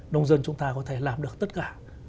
nông dân chúng ta có thể làm được tất cả